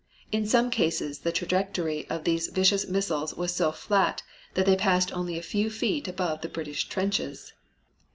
In some cases the trajectory of these vicious missiles was so flat that they passed only a few feet above the British trenches.